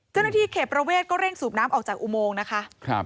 เจ้าหน้าที่เขตประเวทก็เร่งสูบน้ำออกจากอุโมงนะคะ